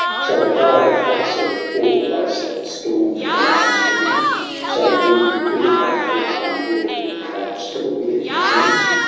Shall the vile fox earth awe the race that stormed the lion's den ? Shall we, who could not brook one lord, crouch to the wicked Ten